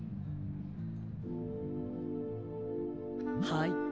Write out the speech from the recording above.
はい。